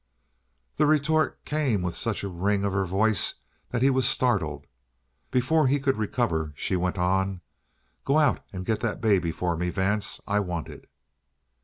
The retort came with such a ring of her voice that he was startled. Before he could recover, she went on: "Go out and get that baby for me, Vance. I want it."